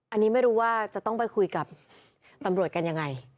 อันนี้ไม่รู้ว่าจะต้องไปคุยกับตำรวจกันยังไง